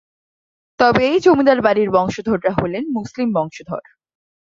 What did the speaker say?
তবে এই জমিদার বাড়ির বংশধররা হলেন মুসলিম বংশধর।